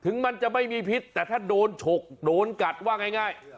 มันจะไม่มีพิษแต่ถ้าโดนฉกโดนกัดว่าง่าย